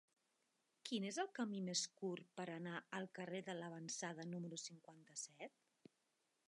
Quin és el camí més curt per anar al carrer de L'Avançada número cinquanta-set?